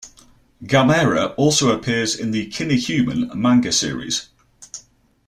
Gamera also appears in the "Kinnikuman" manga series.